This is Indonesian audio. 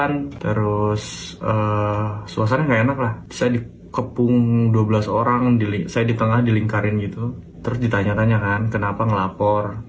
husein mengatakan bahwa dia tidak bisa membayar uang untuk kepentingan acara latihan dasar guru muda